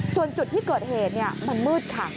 ส่วนจุดที่เกิดเหตุมันมืดค่ะ